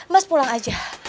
mas pulang aja